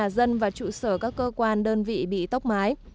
dân và trụ sở các cơ quan đơn vị bị tốc mái